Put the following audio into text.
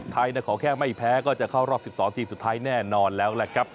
ไทยขอแค่ไม่แพ้ก็จะเข้ารอบ๑๒ทีมสุดท้ายแน่นอนแล้วแหละครับ